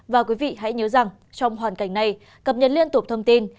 và quý vị hãy nhớ rằng trong hoàn cảnh này cập nhật liên tục thông tin